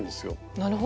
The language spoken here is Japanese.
なるほど。